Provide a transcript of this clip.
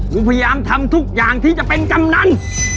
พยายามทำทุกอย่างที่จะเป็นกำนัน